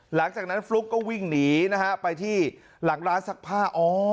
หลังจากนั้นฟลุ๊กก็วิ่งหนีนะฮะไปที่หลังร้านซักผ้า